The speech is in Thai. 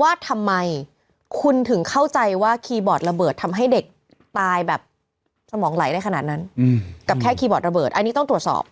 ว่าทำไมคุณถึงเข้าใจว่าคีย์บอร์ดระเบิดทำให้เด็กตายแบบสมองไหลได้ขนาดนั้นกับแค่คีย์บอร์ดระเบิดอันนี้ต้องตรวจสอบ